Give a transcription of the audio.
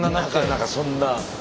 何かそんな。